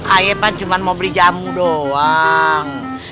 ayah pak cuma mau beli jamu doang